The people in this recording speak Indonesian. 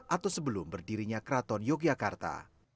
atau sebelum berdirinya kraton yogyakarta